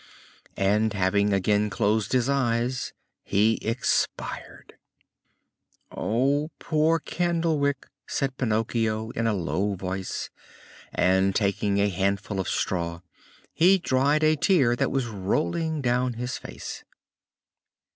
And, having again closed his eyes, he expired. "Oh, poor Candlewick!" said Pinocchio in a low voice; and, taking a handful of straw, he dried a tear that was rolling down his face.